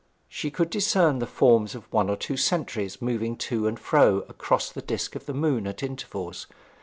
She could discern the forms of one or two sentries moving to and fro across the disc of the moon at intervals.